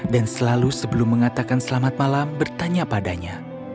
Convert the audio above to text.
dan selalu sebelum mengatakan selamat malam bertanya padanya